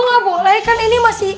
gue gak boleh kan ini masih